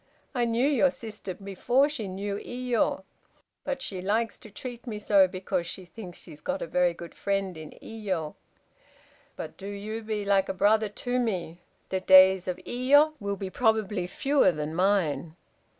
I knew your sister before she knew Iyo. But she likes to treat me so because she thinks she has got a very good friend in Iyo; but do you be like a brother to me. The days of Iyo will be probably fewer than mine."